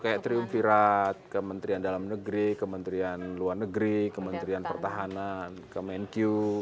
kayak triumvirat ke menteri dalam negeri ke menteri luar negeri ke menteri pertahanan ke menq